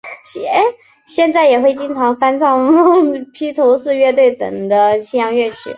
现在也会经常翻唱披头四乐队等的西洋乐曲。